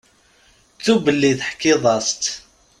Ttu belli teḥkiḍ-as-tt.